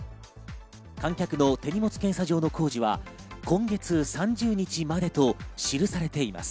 観客の手荷物検査場の工事は今月３０日までと記されています。